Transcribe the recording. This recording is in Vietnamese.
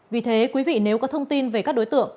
vì thế quý vị nếu có thông tin về các đối tượng